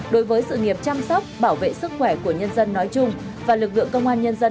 đối với sự nghiệp chăm sóc bảo vệ sức khỏe của nhân dân nói chung và lực lượng công an nhân dân